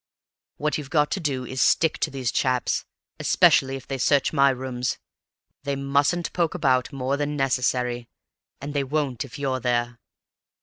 What you've got to do is to stick to these chaps, especially if they search my rooms; they mustn't poke about more than necessary, and they won't if you're there."